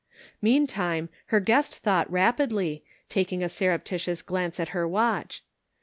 Meantime her guest thought rapidly, taking a surreptitious glance at her watch.